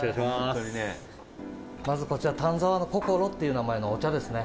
まず、こちら、丹沢のこゝろっていう名前のお茶ですね。